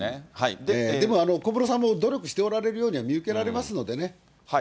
でも小室さんも、努力しておられるようには見受けられますのでね。